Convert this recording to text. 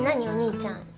お兄ちゃん。